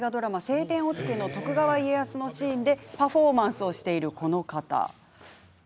「青天を衝け」の徳川家康のシーンでパフォーマンスをしている方。